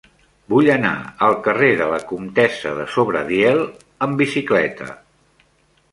Vull anar al carrer de la Comtessa de Sobradiel amb bicicleta.